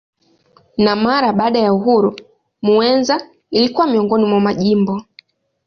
Na mara baada ya uhuru Muheza ilikuwa miongoni mwa majimbo.